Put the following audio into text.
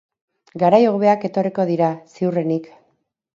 Garai hobeak etorriko dira, ziurrenik.